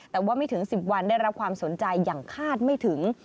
แต่ว่าไม่ถึง๑๐วันได้รับความสนใจอย่างคาดไม่ถึง